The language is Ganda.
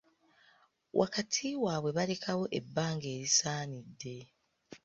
Wakati waabwe balekawo ebbanga erisaanidde.